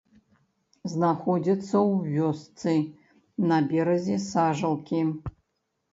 Знаходзіцца ў вёсцы на беразе сажалкі.